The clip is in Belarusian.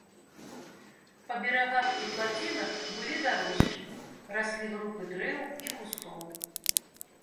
Па берагах і плацінах былі дарожкі, раслі групы дрэў і кустоў.